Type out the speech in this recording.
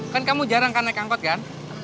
kan kamu jarang kan naik angkot kan